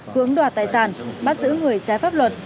cưỡng đoạt tài sản bắt giữ người trái pháp luật